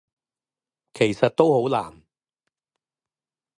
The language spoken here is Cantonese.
其實都好難